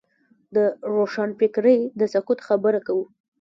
د روښانفکرۍ د سقوط خبره کوو.